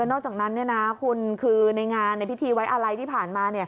นอกจากนั้นคุณคือในงานในพิธีไว้อะไรที่ผ่านมา